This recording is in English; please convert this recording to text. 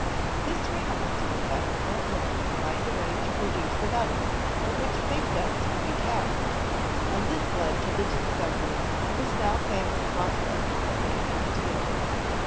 This remark set Bessemer at work to find a way to produce a metal from which big guns could be cast, and this led to the discovery of his now famous process of making steel.